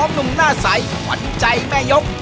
หนุ่มหน้าใสขวัญใจแม่ยก